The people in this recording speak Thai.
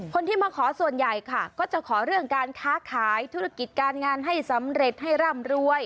คนที่มาขอส่วนใหญ่ค่ะก็จะขอเรื่องการค้าขายธุรกิจการงานให้สำเร็จให้ร่ำรวย